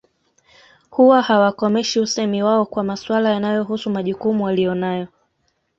Huwa hawakomeshi usemi wao kwa maswala yanayohusu majukumu waliyo nayo